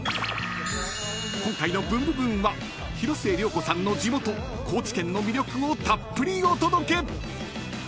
［今回の『ブンブブーン！』は広末涼子さんの地元高知県の魅力をたっぷりお届け！］